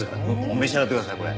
召し上がってくださいこれ。